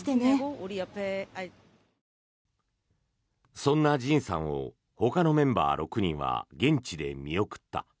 そんなＪＩＮさんをほかのメンバー６人は現地で見送った。